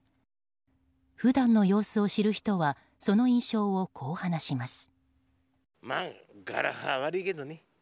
普段の様子を知る人はその印象を、こう話します。